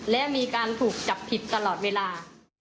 และมีการถูกจับผิดตลอดเวลา